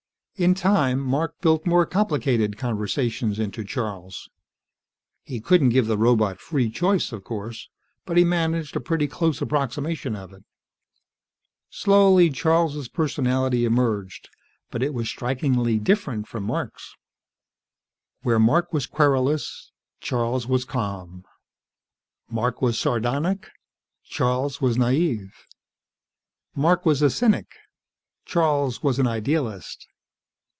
In time, Mark built more complicated conversations into Charles. He couldn't give the robot free choice, of course, but he managed a pretty close approximation of it. Slowly, Charles' personality emerged. But it was strikingly different from Mark's. Where Mark was querulous, Charles was calm. Mark was sardonic, Charles was naive. Mark was a cynic, Charles was an idealist.